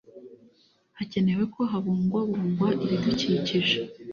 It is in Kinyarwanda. hakenewe ko habungwabungwa ibidukikije